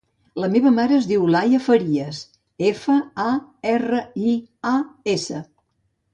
La meva mare es diu Leia Farias: efa, a, erra, i, a, essa.